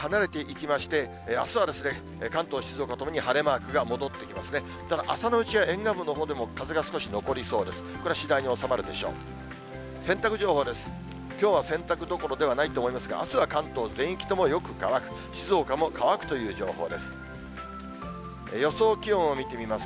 きょうは洗濯どころではないと思いますが、あすは関東全域ともよく乾く、静岡も乾くという情報です。